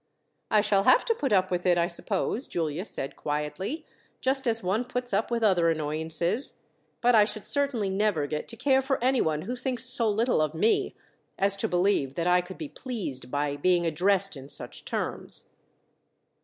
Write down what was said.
"I shall have to put up with it, I suppose," Giulia said quietly, "just as one puts up with other annoyances. But I should certainly never get to care for anyone who thinks so little of me, as to believe that I could be pleased by being addressed in such terms."